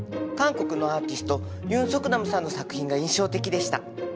韓国のアーティストユン・ソクナムさんの作品が印象的でした。